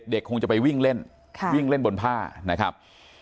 เด็กคงจะไปวิ่งเล่นวิ่งเล่นบนผ้านะครับ